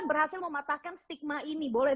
berhasil mematahkan stigma ini boleh